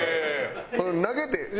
投げて。